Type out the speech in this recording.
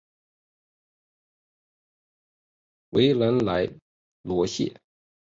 维兰莱罗谢。